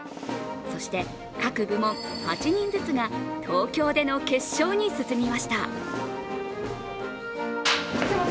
そして、各部門８人ずつが東京での決勝に進みました。